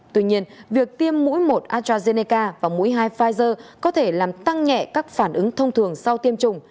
tuy nhiên việc tiêm mũi một arazeneca và mũi hai pfizer có thể làm tăng nhẹ các phản ứng thông thường sau tiêm chủng